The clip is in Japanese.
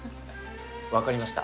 分かりました。